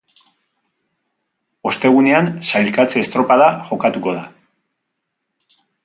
Ostegunean sailkatze-estropada jokatuko da.